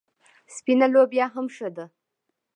سپینه لوبیا هم ښه ده.